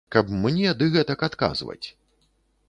Каб мне ды гэтак адказваць.